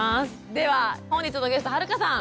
では本日のゲスト春香さん。